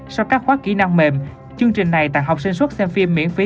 sau các khóa kỹ năng mềm chương trình này tặng học sinh xuất xem phim miễn phí